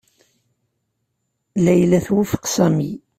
Layla twufeq Sami.